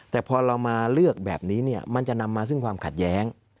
แต่พอเรามาเลือกแบบนี้เนี่ยมันจะนำมาซึ่งความขัดแย้ง